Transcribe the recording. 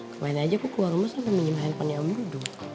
kemarin aja aku keluar rumah sampai milih handphonenya om buddhu